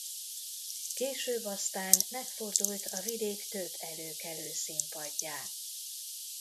Később aztán megfordult a vidék több előkelő színpadján.